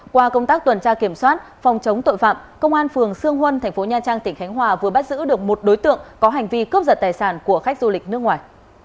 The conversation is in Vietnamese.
qua công tác tuần tra kiểm soát phòng chống tội phạm công an phường sương huân thành phố nha trang tỉnh khánh hòa vừa bắt giữ được một đối tượng có hành vi cướp giật tài sản của khách du lịch nước ngoài